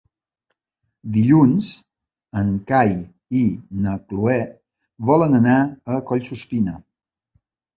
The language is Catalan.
Dilluns en Cai i na Cloè volen anar a Collsuspina.